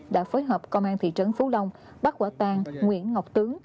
đã phối hợp công an thị trấn phú long bắc quả tàng nguyễn ngọc tướng